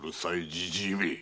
じじいめ！